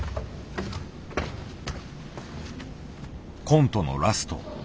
コントのラスト。